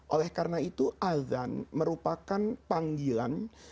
oleh karena itu azan merupakan panggilan